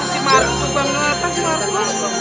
si markum bang ngelata si markum